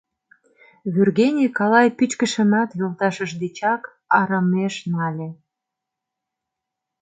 Вӱргене калай пӱчкышымат йолташыж дечак арымеш нале.